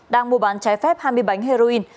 đang mua bán trái phép hai mươi bánh heroin